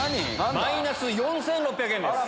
マイナス４６００円です。